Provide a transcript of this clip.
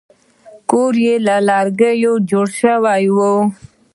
کور یې له لرګیو جوړ شوی و.